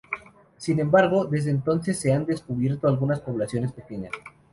Sin embargo, desde entonces se han descubierto algunas poblaciones pequeñas.